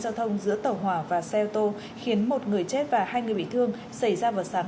giao thông giữa tàu hỏa và xe ô tô khiến một người chết và hai người bị thương xảy ra vào sáng